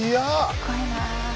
すごいな。